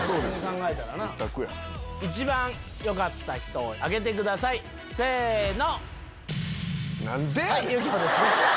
一番よかった人を挙げてくださいせの！